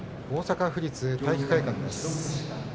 大阪府立体育会館です。